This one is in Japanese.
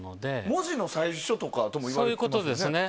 文字の最初とかもいわれてますよね。